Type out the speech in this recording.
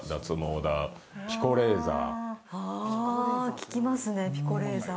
聞きますね、ピコレーザー。